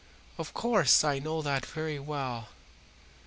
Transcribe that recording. Of course I know that very well.